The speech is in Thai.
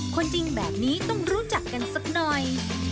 คนจริงแบบนี้ต้องรู้จักกันสักหน่อย